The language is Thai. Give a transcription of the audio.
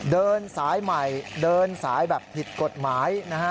เดินสายใหม่เดินสายแบบผิดกฎหมายนะฮะ